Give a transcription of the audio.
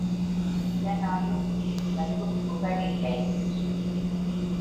இதனாலும் உனக்குப் புகழில்லை.